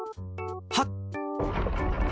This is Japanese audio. はっ！